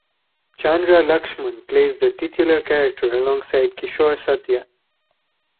Chandra Lakshman plays the titular character alongside Kishor Satya.